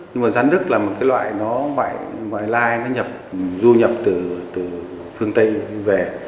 nhưng mà rán đức là một loài nó ngoại lai nó nhập du nhập từ phương tây về